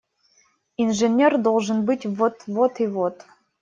Инженер должен быть – вот… вот… и вот…